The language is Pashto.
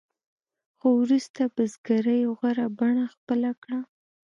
خو وروسته بزګرۍ غوره بڼه خپله کړه.